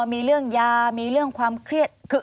มีเรื่องยามีเรื่องความเครียด